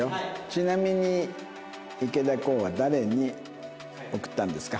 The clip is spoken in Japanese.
ちなみに池田航は誰に送ったんですか？